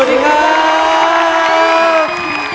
สวัสดีครับ